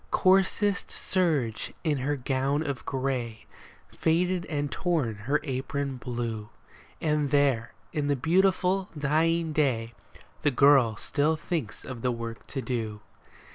Coarsest serge is her gown of gray, Faded and torn her apron blue, And there in the beautiful, dying day The girl still thinks of the work to do.